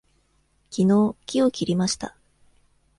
きのう木を切りました。